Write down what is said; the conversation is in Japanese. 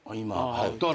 はい。